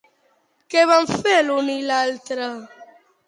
Què van fer, l'un i l'altre?